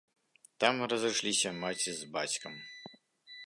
Там разышліся маці з бацькам.